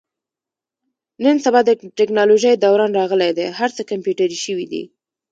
نن سبا د تکنالوژۍ دوران راغلی دی. هر څه کمپیوټري شوي دي.